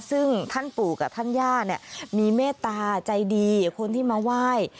ซึ่งท่านปู่กับท่านย่าเนี่ยมีเมตตาใจดีคนที่มาไหว้